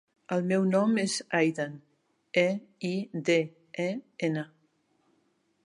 El meu nom és Eiden: e, i, de, e, ena.